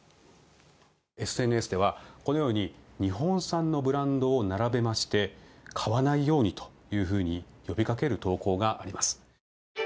ＳＮＳではこのように日本産のブランドを並べまして買わないようにというふうに呼びかける投稿があります。